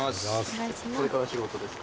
これから仕事ですか？